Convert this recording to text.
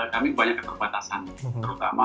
kami banyak keterbatasan terutama